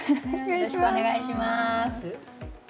よろしくお願いします。